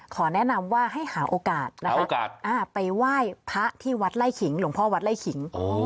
แนะนำว่าให้หาโอกาสนะคะไปไหว้พระที่วัดไล่ขิงหลวงพ่อวัดไล่ขิง